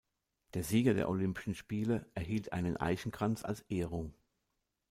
Der Sieger der Olympischen Spiele erhielt einen Eichenkranz als Ehrung.